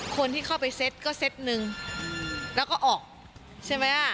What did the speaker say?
คนที่เข้าไปเซ็ตก็เซ็ตหนึ่งแล้วก็ออกใช่ไหมอ่ะ